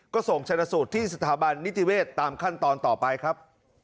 ขอบคุณครับ